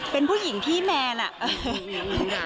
เป็นผู้หญิงที่มนุม